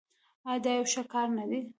آیا دا یو ښه کار نه دی؟